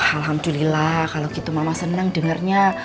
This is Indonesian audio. alhamdulillah kalau gitu mama senang dengarnya